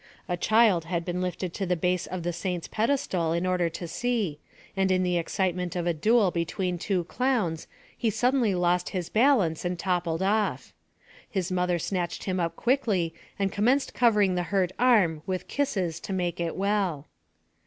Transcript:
A child had been lifted to the base of the saint's pedestal in order to see, and in the excitement of a duel between two clowns he suddenly lost his balance and toppled off. His mother snatched him up quickly and commenced covering the hurt arm with kisses to make it well.